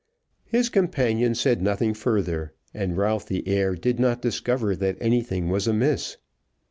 His companion said nothing further, and Ralph the heir did not discover that anything was amiss.